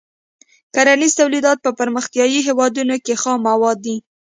کرنیز تولیدات په پرمختیايي هېوادونو کې خام مواد دي.